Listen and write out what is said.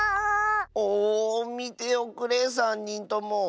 おおみておくれさんにんとも。